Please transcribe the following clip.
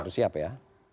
harus siap ya